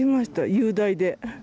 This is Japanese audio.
雄大で。